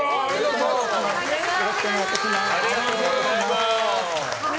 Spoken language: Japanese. よろしくお願いします。